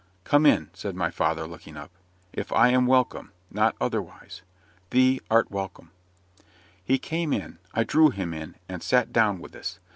"Come in," said my father, looking up. "If I am welcome; not otherwise." "Thee art welcome." He came in I drew him in and sat down with us.